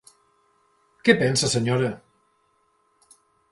Què pensa, senyora?